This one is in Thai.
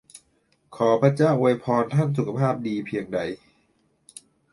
ขอพระเจ้าอวยพรท่านสุขภาพดีเพียงใด !